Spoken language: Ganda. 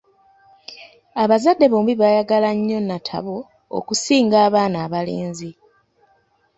Abazadde bombi baayagala nnyo Natabo okusinga abaana abalenzi.